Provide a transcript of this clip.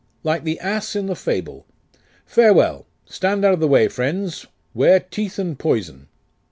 'Like the Ass in the Fable. Farewell! Stand out of the way, friends! 'Ware teeth and poison!